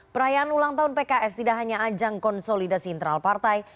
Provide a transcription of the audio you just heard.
perayaan ulang tahun pks tidak hanya ajang konsolidasi internal partai